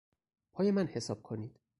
پای من حساب کنید.